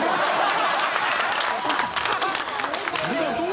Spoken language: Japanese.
ありがとう。